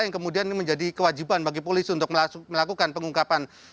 yang kemudian ini menjadi kewajiban bagi polisi untuk melakukan pengungkapan